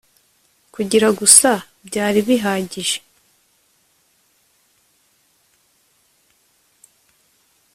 kugira gusa byari bihagije